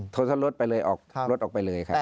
ทนรถไปเลยออกรถออกไปเลยครับ